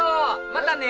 またね！